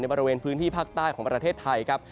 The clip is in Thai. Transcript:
บริเวณพื้นที่ภาคใต้ของประเทศไทยครับ